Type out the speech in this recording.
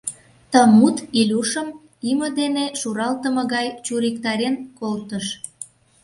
Ты мут Илюшым име дене шуралтыме гай чуриктарен колтыш.